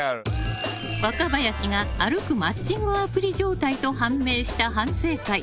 若林が歩くマッチングアプリ状態と判明した反省会。